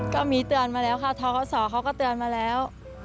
ก็มีเตือนมาแล้วค่ะทกศเขาก็เตือนมาแล้ว